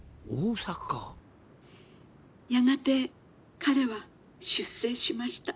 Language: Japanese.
「やがて彼は出征しました。